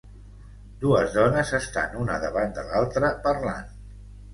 Dues dones estan una davant de l'altra parlant